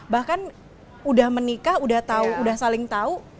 bahkan udah menikah udah tahu udah saling tahu